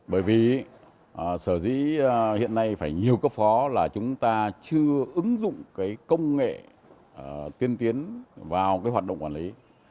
bởi vì sở dĩ hiện nay phải nhiều cấp phó là chúng ta chưa ứng dụng cái công nghệ tiên tiến vào cái hoạt động quản lý